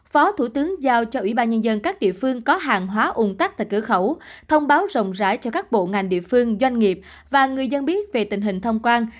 phó thủ tướng giao cho ủy ban nhân dân các địa phương có hàng hóa ủng tắc tại cửa khẩu thông báo rộng rãi cho các bộ ngành địa phương doanh nghiệp và người dân biết về tình hình thông quan